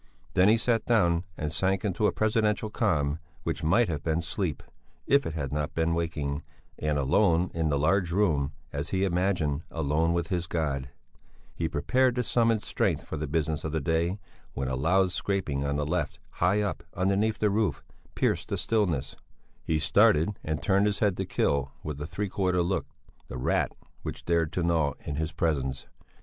Then he sat down and sank into a presidential calm which might have been sleep, if it had not been waking; and, alone in the large room, as he imagined, alone with his God, he prepared to summon strength for the business of the day, when a loud scraping on the left, high up, underneath the roof, pierced the stillness; he started and turned his head to kill with a three quarter look the rat which dared to gnaw in his presence.